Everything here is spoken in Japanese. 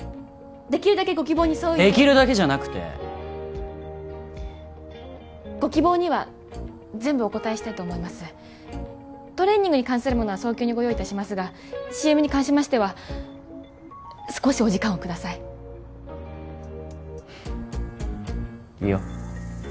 できるだけご希望に沿うようできるだけじゃなくてご希望には全部お応えしたいと思いますトレーニングに関するものは早急にご用意いたしますがＣＭに関しましては少しお時間をくださいいいよ